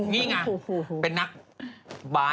นี่ไงเป็นนักบาส